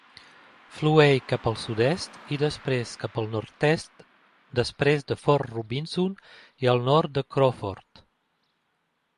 Flueix cap al sud-est i després cap al nord-est després de Fort Robinson i al nord de Crawford.